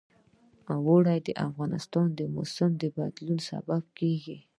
اوړي د افغانستان د موسم د بدلون سبب کېږي.